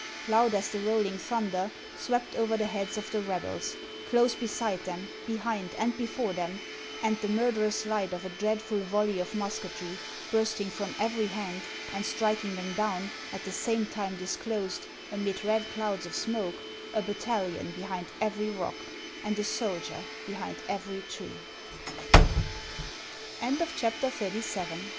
" loud as the rolling thunder, swept over the heads of the rebels, close beside them, behind and before them, and the mur derous light of a dreadful volley of musketry, bursting from every hand, and striking them down, at the same time disclosed, amid red clouds of smoke, a battalion behind every rock, and a soldier behind